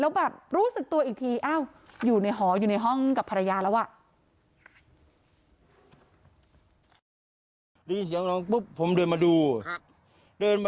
แล้วแบบรู้สึกตัวอีกทีอ้าวอยู่ในหออยู่ในห้องกับภรรยาแล้วอ่ะ